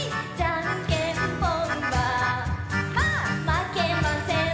「まけません」